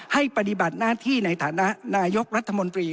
ปฏิบัติหน้าที่ในฐานะนายกรัฐมนตรี